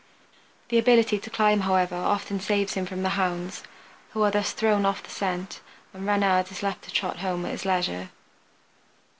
The ability to climb, however, often saves him from the hounds, who are thus thrown off the scent and Reynard is left to trot home at his leisure.